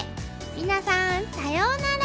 皆さんさようなら！